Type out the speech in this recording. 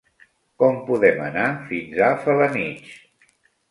Com podem anar fins a Felanitx?